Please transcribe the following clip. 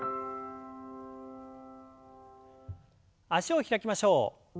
脚を開きましょう。